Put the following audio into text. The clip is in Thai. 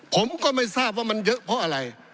ผมก็ไม่ทราบว่ามันเยอะเพราะอะไร